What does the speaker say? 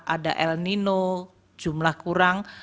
ada el nino jumlah kurang